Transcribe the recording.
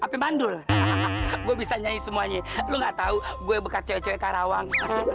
apa mandul gua bisa nyanyi semuanya lu nggak tahu gue bekas cewek cewek karawang